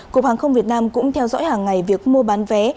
cục hàng không việt nam cũng theo dõi hàng ngày việc mua bán vé